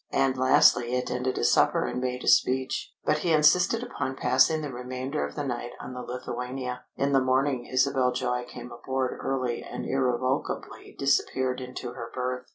And lastly he attended a supper and made a speech. But he insisted upon passing the remainder of the night on the Lithuania. In the morning Isabel Joy came aboard early and irrevocably disappeared into her berth.